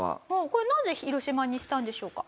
これなぜ広島にしたんでしょうか？